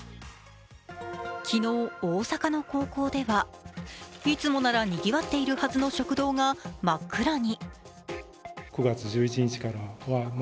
昨日、大阪の高校ではいつもならにぎわっているはずの食堂が真っ暗に。